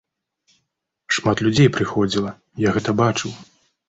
Шмат людзей прыходзіла, я гэта бачыў.